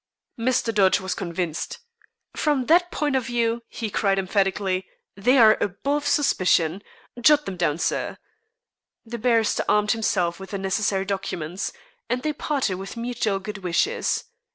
Mr. Dodge was convinced. "From that point of view," he cried emphatically, "they are above suspicion. Jot them down, sir." The barrister armed himself with the necessary documents, and they parted with mutual good wishes.